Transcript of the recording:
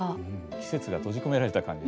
季節が閉じ込められた感じですよね